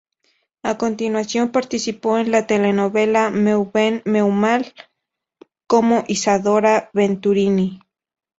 A continuación participó en la telenovela "Meu Bem, Meu Mal", como Isadora Venturini.